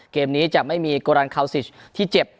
เกมนี้จะไม่มีโกรันคาวซิชที่เจ็บ